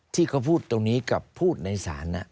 ที่เขาพูดตรงนี้กับพูดในศาล